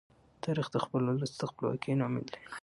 تاریخ د خپل ولس د خپلواکۍ لامل دی.